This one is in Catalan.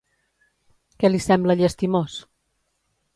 Què li sembla llastimós?